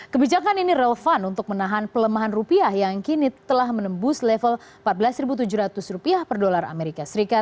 kebijakan ini relevan untuk menahan pelemahan rupiah yang kini telah menembus level rp empat belas tujuh ratus per dolar as